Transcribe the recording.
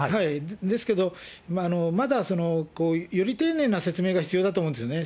ですけど、まだ、より丁寧な説明が必要だと思うんですよね。